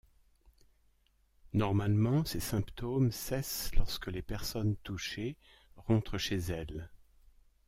Normalement, ces symptômes cessent lorsque les personnes touchées rentrent chez elles.